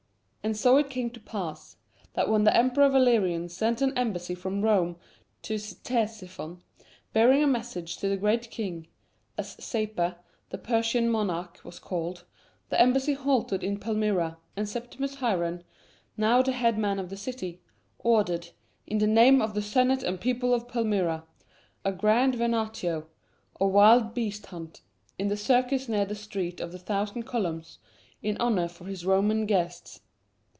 And so it came to pass that when the Emperor Valerian sent an embassy from Rome to Ctesiphon, bearing a message to the Great King, as Sapor, the Persian monarch, was called, the embassy halted in Palmyra, and Septimus Hairan, now the head man of the city, ordered, "in the name of the senate and people of Palmyra," a grand venatio, or wild beast hunt, in the circus near the Street of the Thousand Columns, in honor of his Roman guests.